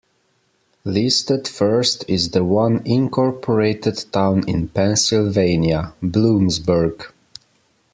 Listed first is the one incorporated town in Pennsylvania, Bloomsburg.